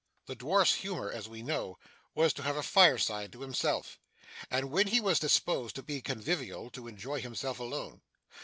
The dwarf's humour, as we know, was to have a fireside to himself; and when he was disposed to be convivial, to enjoy himself alone.